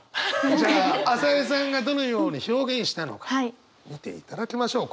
じゃあ朝井さんがどのように表現したのか見ていただきましょう。